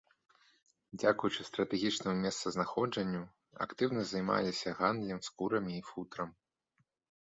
Дзякуючы стратэгічнаму месцазнаходжанню актыўна займаліся гандлем скурамі і футрам.